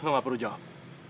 lo gak perlu jawab